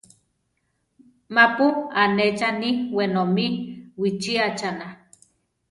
Mapu anéchani wenomí wichíachana.